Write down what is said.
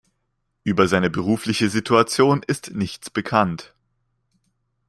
Über seine berufliche Situation ist nichts bekannt.